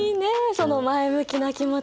その前向きな気持ち。